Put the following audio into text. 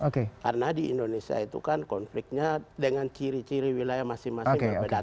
karena di indonesia itu kan konfliknya dengan ciri ciri wilayah masing masing berbeda